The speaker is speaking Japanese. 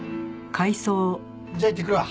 じゃあ行ってくるわ。